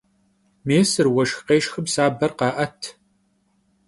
Mêsır vueşşx khêşşxım saber kha'et.